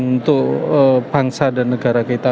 untuk bangsa dan negara kita